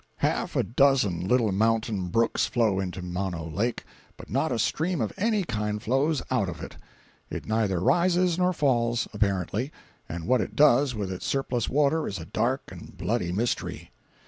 268.jpg (51K) Half a dozen little mountain brooks flow into Mono Lake, but not a stream of any kind flows out of it. It neither rises nor falls, apparently, and what it does with its surplus water is a dark and bloody mystery.